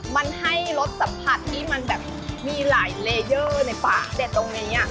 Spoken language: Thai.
มันให้รสสัมผัสที่มันแบบมีหลายเลเยอร์ในฝาเด็ดตรงนี้